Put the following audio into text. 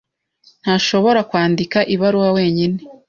Ntashobora kwandika ibaruwa wenyine.